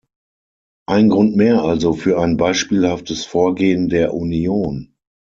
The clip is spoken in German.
Ein Grund mehr also für ein beispielhaftes Vorgehen der Union!